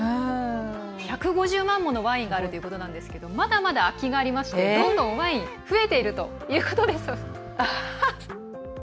１５０万ものワインがあるということですがまだまだ空きがありましてどんどんワイン増えているということです。